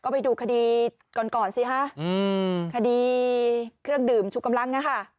ไปดูคดีก่อนสิอะคดีเครื่องดื่มชุกกำลัง